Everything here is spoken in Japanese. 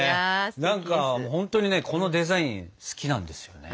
何かほんとにねこのデザイン好きなんですよね。